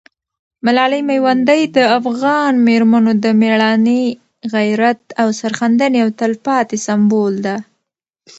ملالۍ میوندۍ د افغان مېرمنو د مېړانې، غیرت او سرښندنې یو تلپاتې سمبول ده.